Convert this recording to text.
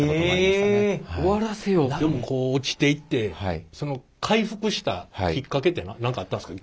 こう落ちていってその回復したきっかけって何かあったんですか？